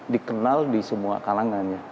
dikenal di semua kalangannya